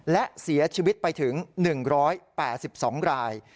และเสียชีวิตไปถึง๑๘๒ราย